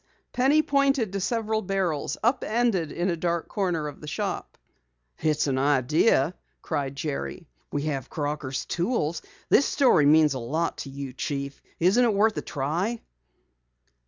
Penny pointed to several barrels, up ended in a dark corner of the shop. "It's an idea!" cried Jerry. "We have Crocker's tools! This story means a lot to you, Chief. Isn't it worth a try?"